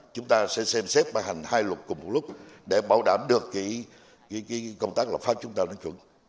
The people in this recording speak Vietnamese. chúng ta sẽ xem xếp bài hành hai luật cùng một lúc để bảo đảm được cái công tác lập pháp chúng ta đang chuẩn